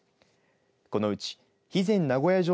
このうち肥前名護屋城